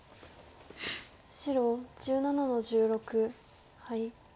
白１７の十六ハイ。